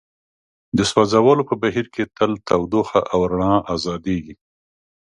د سوځولو په بهیر کې تل تودوخه او رڼا ازادیږي.